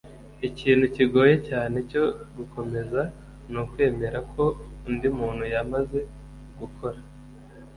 ikintu kigoye cyane cyo gukomeza ni ukwemera ko undi muntu yamaze gukora